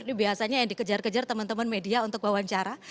ini biasanya yang dikejar kejar teman teman media untuk wawancara